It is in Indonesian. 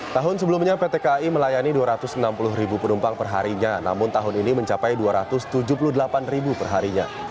tahun sebelumnya pt kai melayani dua ratus enam puluh ribu penumpang perharinya namun tahun ini mencapai dua ratus tujuh puluh delapan ribu perharinya